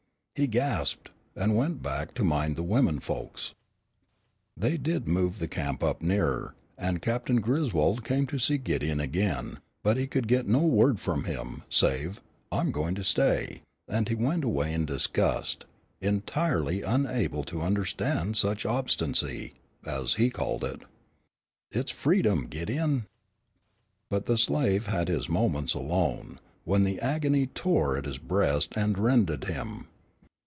He gasped, and went back to mind the women folks. They did move the camp up nearer, and Captain Griswold came to see Gideon again, but he could get no word from him, save "I'm goin' to stay," and he went away in disgust, entirely unable to understand such obstinacy, as he called it. [Illustration: "'IT'S FREEDOM, GIDEON.'"] But the slave had his moments alone, when the agony tore at his breast and rended him.